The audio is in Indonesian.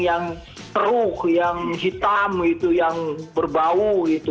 yang teruk yang hitam yang berbau